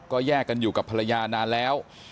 ก็แยกกันอยู่กับภรรยานานแล้ว